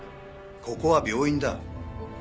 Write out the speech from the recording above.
ここは病院だ。